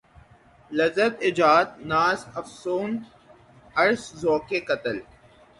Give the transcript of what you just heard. لذت ایجاد ناز افسون عرض ذوق قتل